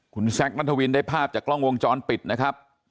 คุณแซคนัทวินได้ภาพจากกล้องวงจรปิดนะครับ